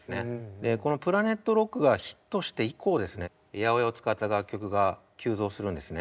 でこの「ＰｌａｎｅｔＲｏｃｋ」がヒットして以降ですね８０８を使った楽曲が急増するんですね。